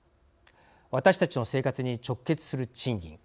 私たちの生活に直結する賃金。